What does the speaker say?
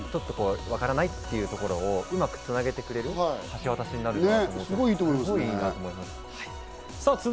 興味ない人から見るとわからないっていうところをうまく繋げてくれる、橋渡しになると思います。